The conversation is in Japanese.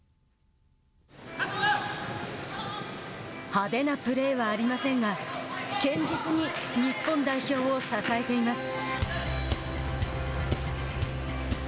派手なプレーはありませんが堅実に日本代表を支えています。